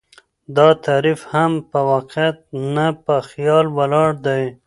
دا تعريف هم په واقعيت نه، په خيال ولاړ دى